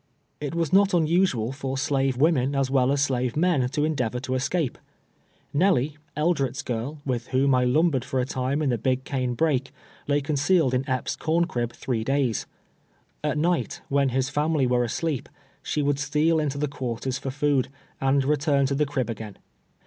It was not unusual for slave women as well as slave men to endeavor to escape. Is^elly, Eldret's girl, with whom I lumbered for a time in the "Big Cane Brake," lay concealed in Epps' corn crib three days. At night, when his family were asleep, she would steal into the quarters for food, and return to the crib again.